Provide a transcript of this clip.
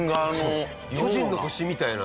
そう『巨人の星』みたいな。